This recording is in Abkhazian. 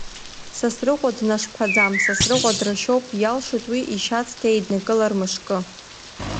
Сасрыҟәа днашԥаӡам, Сасрыҟәа драшьоуп, иалшоит уи ишьа цқьа еиднакылар мышкы.